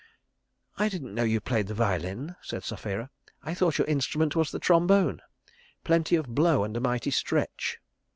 "I didn't know you played the violin," said Sapphira. "I thought your instrument was the trombone plenty of blow and a mighty stretch."